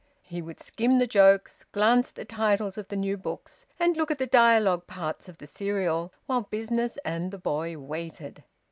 He would skim the jokes, glance at the titles of the new books, and look at the dialogue parts of the serial, while business and the boy waited.